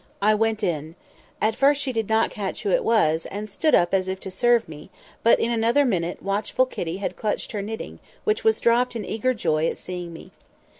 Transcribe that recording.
I went in. At first she did not catch who it was, and stood up as if to serve me; but in another minute watchful pussy had clutched her knitting, which was dropped in eager joy at seeing me.